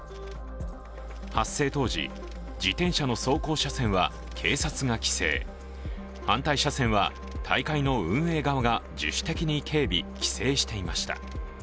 発生当時、自転車の走行車線は警察が規制、反対車線は大会の運営側が自主的に警備・規制していました。